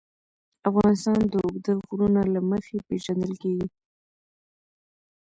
افغانستان د اوږده غرونه له مخې پېژندل کېږي.